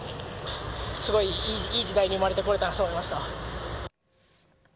すごいいい時代に生まれてこれたと思いました。